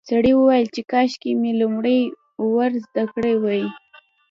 سړي وویل چې کاشکې مې لومړی ور زده کړي وای.